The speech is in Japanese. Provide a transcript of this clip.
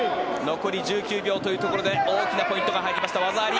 残り１９秒というところで大きなポイントが入りました技あり。